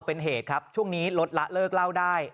เป็นเหตุครับช่วงนี้ลดละเลิกเล่าได้